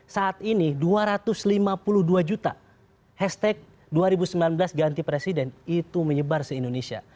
saat ini dua ratus lima puluh dua juta hashtag dua ribu sembilan belas ganti presiden itu menyebar se indonesia